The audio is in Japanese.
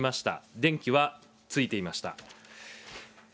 電気はついていました。